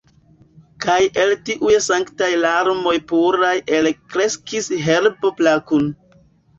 Kaj el tiuj sanktaj larmoj puraj elkreskis herbo plakun.